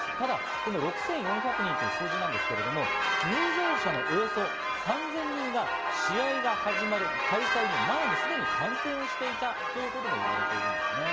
この６４００人という数字ですけど入場者のおよそ３０００人が試合が始まる前にすでに感染していたということも言われています。